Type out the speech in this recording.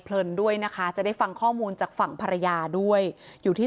เลินด้วยนะคะจะได้ฟังข้อมูลจากฝั่งภรรยาด้วยอยู่ที่